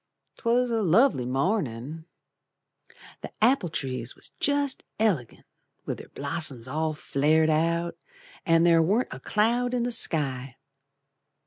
'Twas a lovely mornin'. The apple trees was jest elegant With their blossoms all flared out, An' there warn't a cloud in the sky.